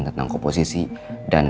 tentang komposisi dan